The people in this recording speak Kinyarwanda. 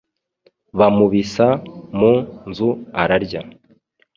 bamubisa mu nzu ararya.